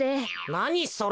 なにそれ。